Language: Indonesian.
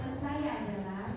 oh tapi tidak